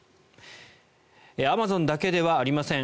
アマゾンだけではありません。